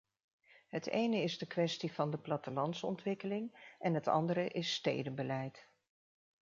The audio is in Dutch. Het ene is de kwestie van de plattelandsontwikkeling en het andere is stedenbeleid.